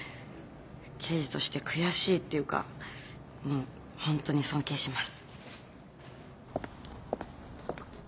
刑事として悔しいっていうかもうホントに尊敬します。